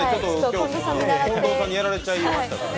近藤さんにやられちゃいましたからね。